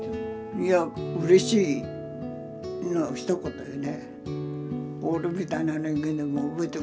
いやうれしいのひと言よね。